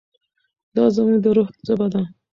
دا زموږ د روح ژبه ده.